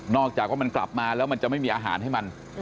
จากว่ามันกลับมาแล้วมันจะไม่มีอาหารให้มัน